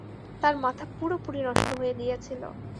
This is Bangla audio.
তার মাথা পুরোপুরি নষ্ট হয়ে গিয়েছিল।